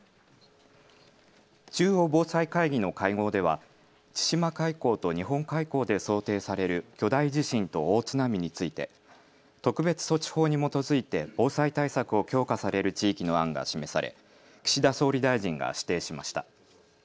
中央防災会議の会合では千島海溝と日本海溝で想定される巨大地震と大津波について特別措置法に基づいて防災対策を強化される地域の案が示され岸田総理大臣が指定しました。